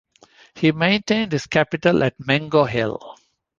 He maintained his capital at Mengo Hill.